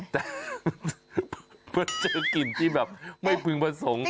แต่เพื่อเจอกลิ่นที่แบบไม่พึงผสม